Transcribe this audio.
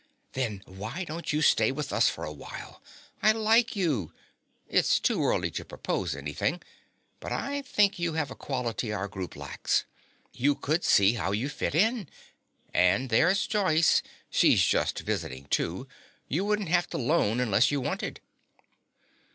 "Then why don't you stay with us for a while? I like you. It's too early to propose anything, but I think you have a quality our group lacks. You could see how you fit in. And there's Joyce. She's just visiting, too. You wouldn't have to lone unless you wanted."